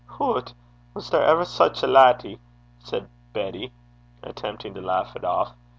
'Hoot! was there ever sic a laddie!' said Betty, attempting to laugh it off.